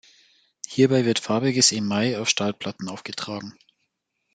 Hierbei wird farbiges Email auf Stahlplatten aufgetragen.